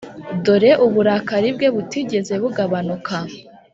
dore uburakari bwe butigeze bugabanuka